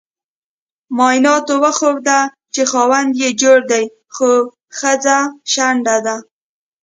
معایناتو وخوده چې خاوند یي جوړ دې خو خځه شنډه ده